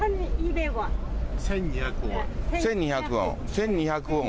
１２００ウォン。